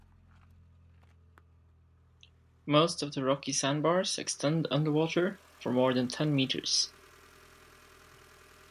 Most of the rocky sand bars extend underwater for more than ten meters.